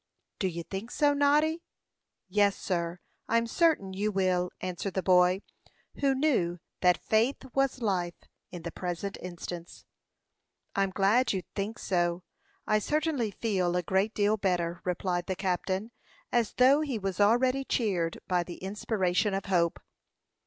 "Do you think so, Noddy?" "Yes, sir; I'm certain you will," answered the boy, who knew that faith was life in the present instance. "I'm glad you think so. I certainly feel a great deal better," replied the captain, as though he was already cheered by the inspiration of hope.